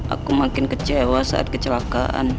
aku makin kecewa saat kecelakaan